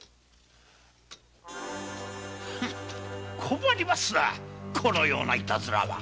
困りますなこのようないたずらは。